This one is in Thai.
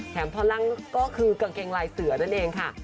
ท่อนล่างก็คือกางเกงลายเสือนั่นเองค่ะ